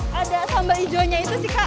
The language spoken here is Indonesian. kayaknya yang ada sambal hijaunya itu sih kak